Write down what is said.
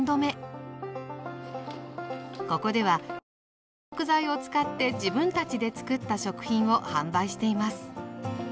ここでは地元の食材を使って自分たちでつくった食品を販売しています。